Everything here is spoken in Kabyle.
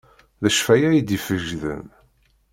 D cfaya i d-ifegḍen.